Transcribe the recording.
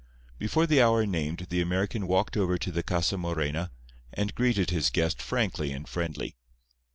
Before the hour named the American walked over to the Casa Morena, and greeted his guest frankly and friendly.